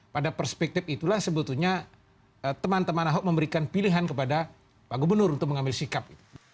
pada perspektif itulah sebetulnya teman teman ahok memberikan pilihan kepada pak gubernur untuk mengambil sikap